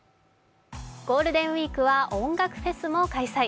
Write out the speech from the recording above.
ゴールデンウイークは音楽フェスも開催。